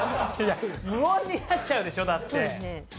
無音になっちゃうでしょ。